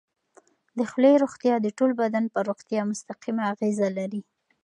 د خولې روغتیا د ټول بدن پر روغتیا مستقیمه اغېزه لري.